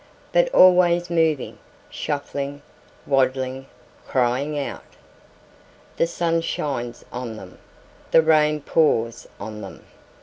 But always moving, shuffling, waddling, crying out. The sun shines on them. The rain pours on them.